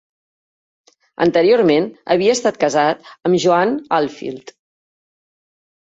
Anteriorment havia estat casat amb Joanne Ahlfield.